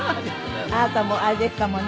あなたもあれでしたもんね。